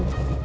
shhh yang itu